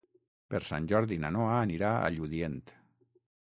Per Sant Jordi na Noa anirà a Lludient.